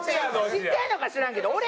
知ってるのか知らんけど俺！